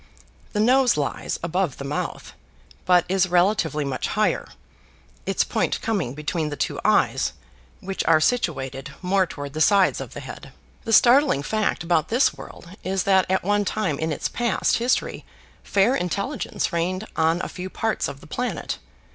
The nose lies above the mouth, but is relatively much higher, its point coming between the two eyes which are situated more toward the sides of the head. The startling fact about this world is that at one time in its past history fair intelligence reigned on a few parts of the planet.